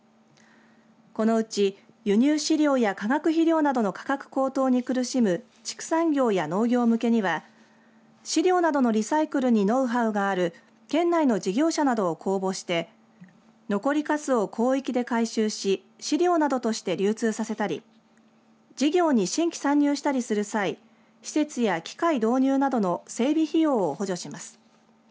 このうち輸入飼料や化学肥料などの価格高騰に苦しむ畜産業や農業向けには飼料などのリサイクルにノウハウがある県内の事業者などを公募して残りかすを広域で回収し飼料などとして流通させたり事業に新規参入したりする際施設や機械投入などの整備費用を補助します。